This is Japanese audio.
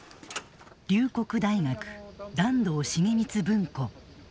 龍谷大学團藤重光文庫。